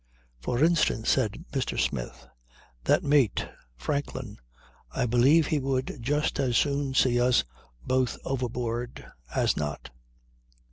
"For instance," said Mr. Smith, "that mate, Franklin, I believe he would just as soon see us both overboard as not."